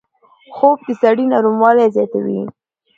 خوب د سړي نرموالی زیاتوي